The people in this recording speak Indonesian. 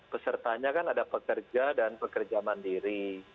pesertanya kan ada pekerja dan pekerja mandiri